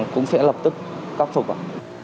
cũng sẽ lập tức cấp phục